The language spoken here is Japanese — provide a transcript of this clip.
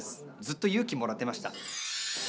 ずっと勇気もらってました。